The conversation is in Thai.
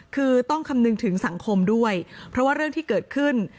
คือต้องคำนึงถึงสังคมด้วยเพราะว่าเรื่องที่เกิดขึ้น